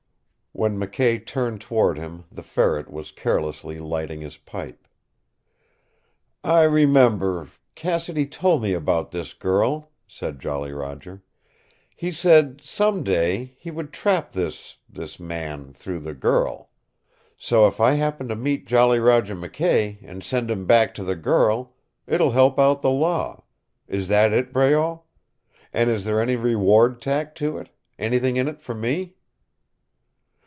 When McKay turned toward him the Ferret was carelessly lighting his pipe. "I remember Cassidy told me about this girl," said Jolly Roger. "He said some day he would trap this this man through the girl. So if I happen to meet Jolly Roger McKay, and send him back to the girl, it will help out the law. Is that it, Breault? And is there any reward tacked to it? Anything in it for me?"